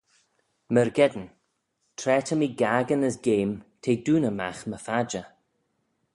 Myrgeddin tra ta mee gaccan as geam, t'eh dooney magh my phadjer.